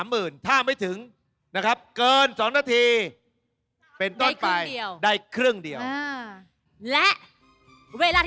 ไม่ต้องหว่นสวย